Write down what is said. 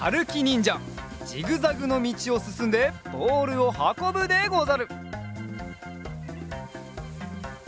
んじゃジグザグのみちをすすんでボールをはこぶでござる！